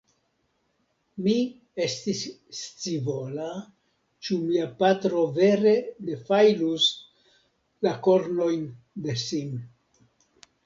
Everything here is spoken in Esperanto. Mi estis scivola, ĉu mia patro vere defajlus la kornojn de Sim.